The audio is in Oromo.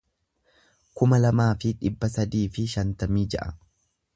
kuma lamaa fi dhibba sadii fi shantamii ja'a